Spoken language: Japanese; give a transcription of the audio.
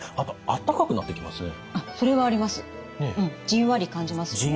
じんわり感じますね。